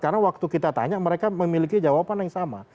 karena waktu kita tanya mereka memiliki jawaban yang sama